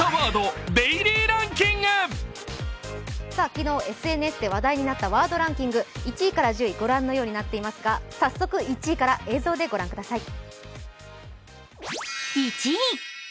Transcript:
昨日ＳＮＳで話題になったワードランキング１位から１０位、ご覧のようになっていますが、早速１位から映像でご覧ください。